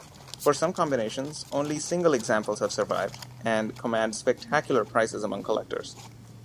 For some combinations, only single examples have survived, and command spectacular prices among collectors.